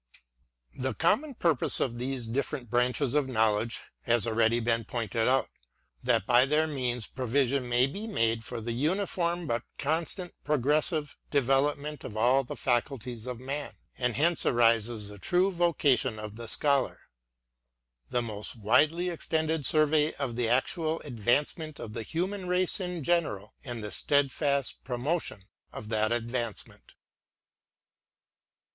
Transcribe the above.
The common purpose of these different branches of Knowledge has already been pointed out; — that by their means provision may be made for the uniform but constantly progressive development of all the faculties of man :— and hence arises the true vocation of the Scholar; — >.<t widely extended survey of the actual advancement of tht human race in general, and the steadfast promotion of that advancement.